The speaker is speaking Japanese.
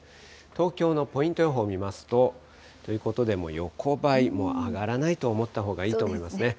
東京のポイント予報を見ますと、ということでもう横ばい、上がらないと思ったほうがいいと思いますね。